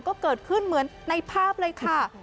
ก็เกิดขึ้นเหมือนในภาพเลยค่ะ